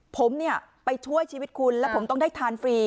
ผมเนี่ยไปช่วยชีวิตคุณแล้วผมต้องได้ทานฟรี